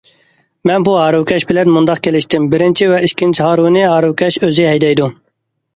مەن بۇ ھارۋىكەش بىلەن مۇنداق كېلىشتىم: بىرىنچى ۋە ئىككىنچى ھارۋىنى ھارۋىكەش ئۆزى ھەيدەيدۇ.